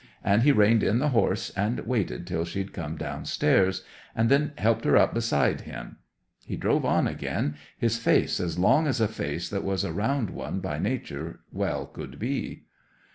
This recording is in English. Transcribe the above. And he reined in the horse, and waited till she'd come downstairs, and then helped her up beside him. He drove on again, his face as long as a face that was a round one by nature well could be.